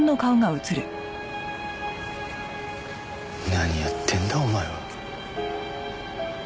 何やってんだお前は。